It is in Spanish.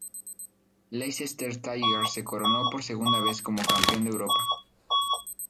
Leicester Tigers se coronó por segunda vez como Campeón de Europa.